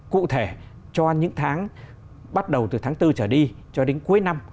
cụ thể cho những tháng bắt đầu từ tháng bốn trở đi cho đến cuối năm